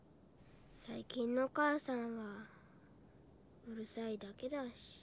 最近の母さんはうるさいだけだし。